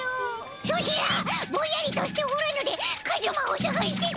ソチらぼんやりとしておらぬでカズマをさがしてたも！